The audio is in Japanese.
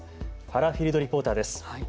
原フィールドリポーターです。